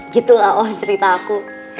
gitu lah om cerita aku